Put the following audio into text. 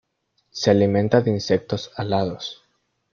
Se alimenta de insectos alados.